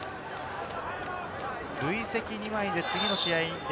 累積２枚で次の試合に出